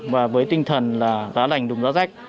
và với tinh thần giá lành đúng giá rách